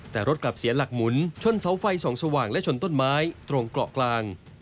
แต่รถกลับเสียหลักหมุนชนเสาไฟส่องสว่างและชนต้นไม้ตรงเกาะกลาง